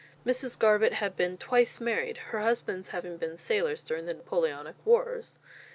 Mrs. Garbutt had been twice married, her husbands having been sailors during the Napoleonic wars.